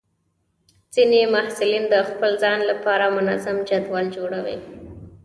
ځینې محصلین د خپل ځان لپاره منظم جدول جوړوي.